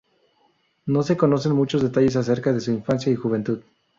No se conocen muchos detalles acerca de su infancia y juventud.